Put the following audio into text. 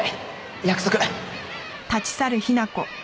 約束。